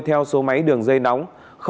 theo số máy đường dây nóng